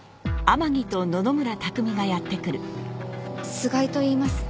菅井といいます。